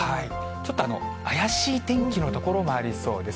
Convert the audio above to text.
ちょっと怪しい天気の所もありそうです。